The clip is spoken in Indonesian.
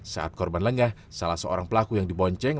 saat korban lengah salah seorang pelaku yang dibonceng